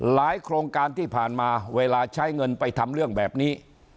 โครงการที่ผ่านมาเวลาใช้เงินไปทำเรื่องแบบนี้